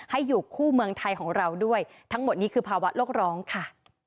ให้อยู่คู่เมืองไทยของเราด้วยทั้งหมดนี้คือภาวะโลกร้องค่ะ